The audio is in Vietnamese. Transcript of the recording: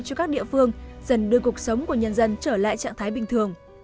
cho các địa phương dần đưa cuộc sống của nhân dân trở lại trạng thái bình thường